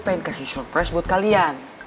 pengen kasih surprise buat kalian